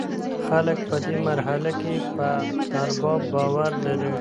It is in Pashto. خلګ په دې مرحله کي په ارباب باور لري.